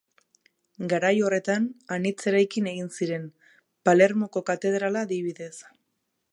Garai horretan, anitz eraikin egin ziren, Palermoko katedrala adibidez.